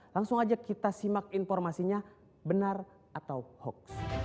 langsung aja kita simak informasinya benar atau hoax